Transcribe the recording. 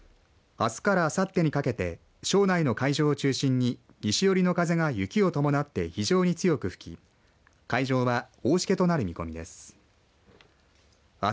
あすからあさってにかけて庄内の海上を中心に西寄りの風が雪を伴って非常に強く吹き海上は大しけとなる見込みです。